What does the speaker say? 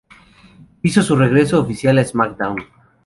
Hizo su regreso oficial a SmackDown!